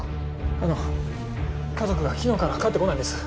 あの家族が昨日から帰って来ないんです。